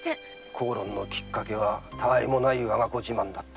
口論のきっかけはたあいもないわが子自慢だった。